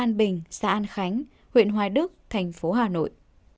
an bình xã an khánh huyện hoài đức thành phố hà nội